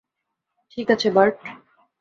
ঠিক আছে, বার্ট।